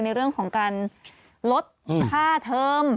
ในเรื่องของการลดค่าเทอม